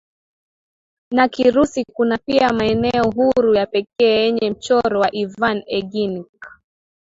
na Kirusi Kuna pia maeneo huru ya pekee yenye Mchoro wa Ivan Eggink